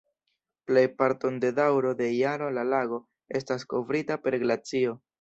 Plejparton de daŭro de jaro la lago estas kovrita per glacio.